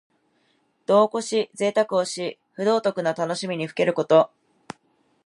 度をこしたぜいたくをし、不道徳な楽しみにふけること。